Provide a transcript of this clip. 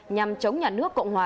nhằm chống nhà nước cộng hòa